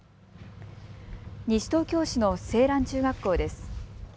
西東京市の青嵐中学校です。